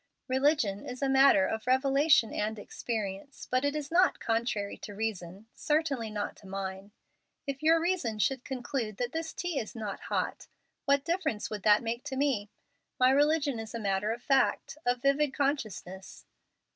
Religion is a matter of revelation and experience. But it is not contrary to reason, certainly not to mine. If your reason should conclude that this tea is not hot, what difference would that make to me? My religion is a matter of fact, of vivid consciousness."